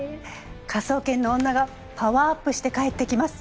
「科捜研の女」がパワーアップして帰ってきます。